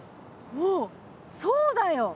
おそうだよ！